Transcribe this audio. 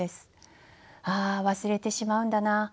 「ああ忘れてしまうんだな。